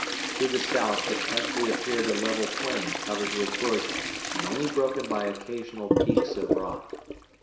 To the south the country appeared a level plain covered with bush and only broken by occasional peaks of rock.